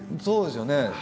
そうですよね。